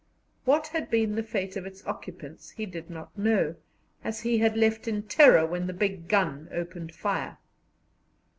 What had been the fate of its occupants he did not know, as he had left in terror when the big gun opened fire.